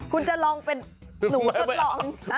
คุณจะลองเป็นหนูทดลอง